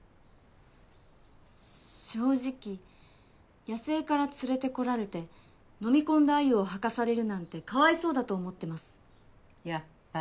正直野生から連れてこられてのみ込んだ鮎を吐かされるなんてかわいそうだと思ってます。